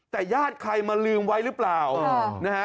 แต่ญาติใครมาลืมไว้หรือเปล่านะฮะ